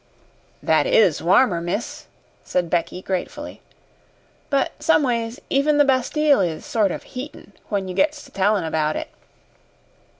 "That is warmer, miss," said Becky, gratefully; "but, someways, even the Bastille is sort of heatin' when you gets to tellin' about it."